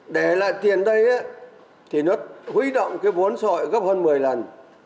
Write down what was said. để lại tiền đây thì nó huy động cái vốn sội gấp hơn một mươi lần